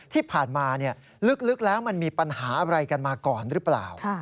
ที่ผ่านมาลึกแล้วมันมีปัญหาอะไรกันมาก่อนหรือเปล่า